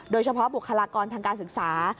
โดยเฉพาะบุคลากรทางการศึกษา